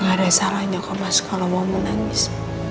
gak ada salahnya kok mas kalau mau menangis